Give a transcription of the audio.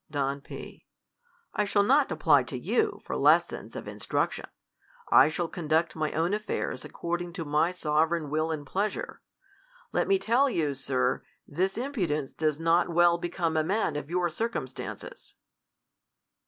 Don P. I shall not apply to you for lessons of in j struction. I shall conduct my own aflairs according t( my sovereign will and pleasure. Let me teil you, Sir, THE COLUMBIAN ORATOR. SI this impudence does not well become a man of yoili' circumstances.